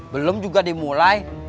belum juga dimulai